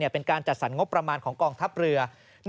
เป็นการจัดสรรงบประมาณของกองทัพเรือ